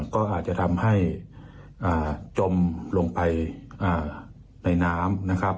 ก็อาจจะทำให้จมลงไปในน้ำนะครับ